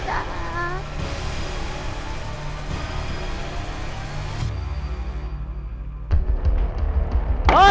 สบาย